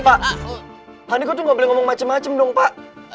pak panik kok tuh nggak boleh ngomong macem macem dong pak